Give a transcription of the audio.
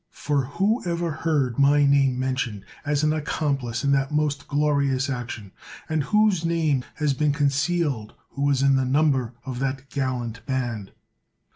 For who ever heard my name mentioned as an accomplice in that most glorious action? and whose name has been 176 CICERO concealed who was in the number of that gallant band?